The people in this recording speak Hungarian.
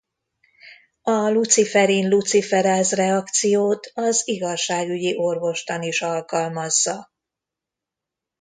A luciferin-luciferáz reakciót az igazságügyi orvostan is alkalmazza.